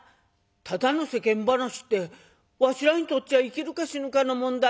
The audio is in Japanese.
「ただの世間話ってわしらにとっちゃ生きるか死ぬかの問題や。なあ？」。